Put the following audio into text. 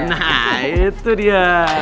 nah itu dia